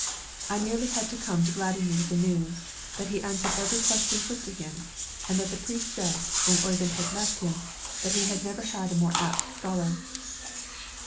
"I merely had to come to gladden you with the news, that he answered every question put to him; and that the priest said, when Oyvind had left him, that he had never had a more apt scholar."